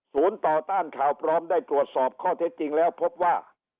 ต่อต้านข่าวปลอมได้ตรวจสอบข้อเท็จจริงแล้วพบว่า